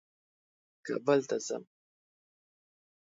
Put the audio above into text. کابل ته ځم.